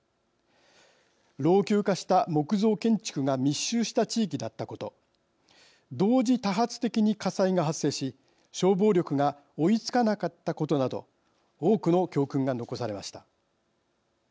老朽化した木造建築が密集した地域だったこと同時多発的に火災が発生し消防力が追いつかなかったことなど多くの教訓が残されました。